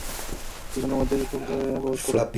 কিছুক্ষণের মধ্যেই কৌশলীদলেরা প্রবেশ করবে।